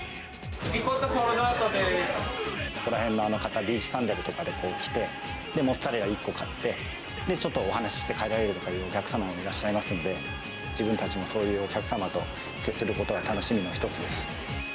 リコッタ、ソールドアウトでここらへんの方、ビーチサンダルで来て、モッツァレラ１個買って、ちょっとお話しして帰られるというお客様もいらっしゃいますんで、自分たちもそういうお客様と接することが楽しみの一つです。